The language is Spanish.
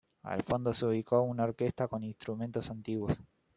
Al fondo se ubicó una orquesta con instrumentos antiguos.